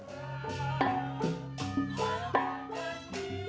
atau di kettle maturnya